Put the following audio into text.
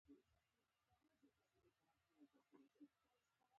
په دې صورت کې اخروي سعادت تمه نه شو لرلای.